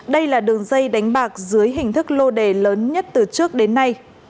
đây là đường dây đánh bạc dưới hình thức lô đề lớn nhất từ trước đến nay